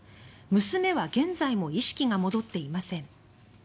娘は現在も意識が戻っていません。